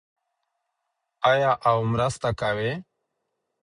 آیا او مرسته کوي؟